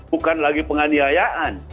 bukan lagi penganiayaan